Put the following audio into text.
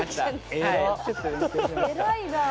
偉いなあ。